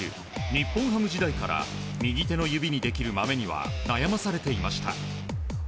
日本ハム時代から右手の指にできるマメには悩まされていました。